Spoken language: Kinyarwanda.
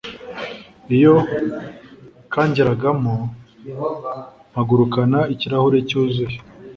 iyo kangeragamo mpagurukana ikirahure cyuzuye